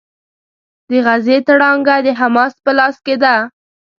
د غزې تړانګه د حماس په لاس کې ده.